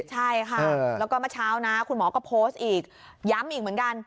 ใช่ค่ะแล้วก็เมื่อเช้านะคุณหมอก็โพสต์อีกย้ำอีกเหมือนกัน